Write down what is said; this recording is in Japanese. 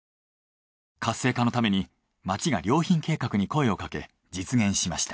活性化のために町が良品計画に声をかけ実現しました。